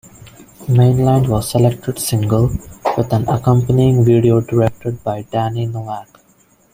"Mainland" was the selected single, with an accompanying video directed by Danny Novak.